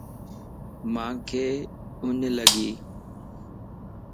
مانک اڃ لڳي